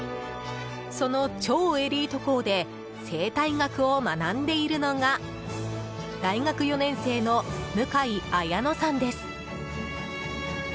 その超エリート校で生態学を学んでいるのが大学４年生の向井彩野さんです。